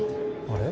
「あれ」？